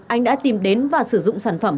anh đã tìm đến và sử dụng sản phẩm